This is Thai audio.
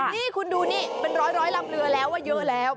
นี่คุณดูนี่เป็นร้อยลำเรือแล้วว่าเยอะแล้ว